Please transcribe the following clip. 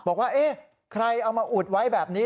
บอกว่าเอ๊ะใครเอามาอุดไว้แบบนี้